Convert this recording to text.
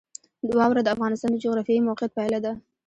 واوره د افغانستان د جغرافیایي موقیعت پایله ده.